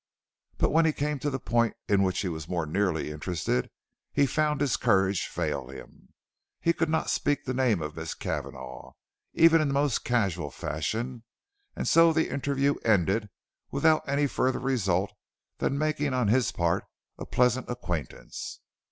But when he came to the point in which he was more nearly interested, he found his courage fail him. He could not speak the name of Miss Cavanagh, even in the most casual fashion, and so the interview ended without any further result than the making on his part of a pleasant acquaintance.